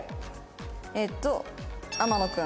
えっと天野君。